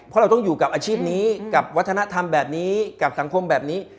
เพราะเราต้องอยู่กับอาชีพนี้กับวัฒนธรรมแบบนี้กับสังคมแบบนี้